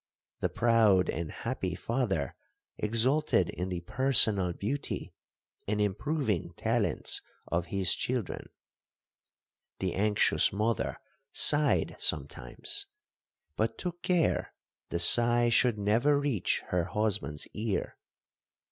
The proud and happy father exulted in the personal beauty, and improving talents of his children. The anxious mother sighed sometimes, but took care the sigh should never reach her husband's ear.